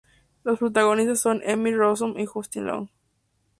Los protagonistas son Emmy Rossum y Justin Long.